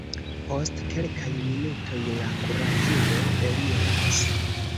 Post kelkaj minutoj la kuraĝulo eliras.